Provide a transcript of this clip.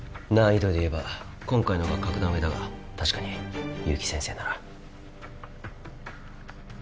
難易度で言えば今回のほうが格段上だが確かに勇気先生なら。